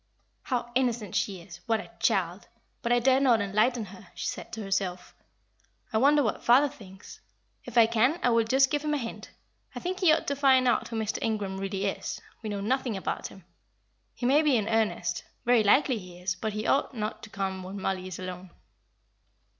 "How innocent she is! What a child! But I dare not enlighten her," she said to herself. "I wonder what father thinks. If I can, I will just give him a hint. I think he ought to find out who Mr. Ingram really is; we know nothing about him. He may be in earnest very likely he is; but he ought not to come when Mollie is alone."